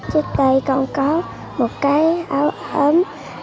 trước đây con có một cái áo ấm